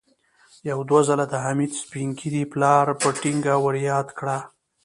يو دوه ځله د حميد سپين ږيري پلار په ټينګه ور ياده کړه.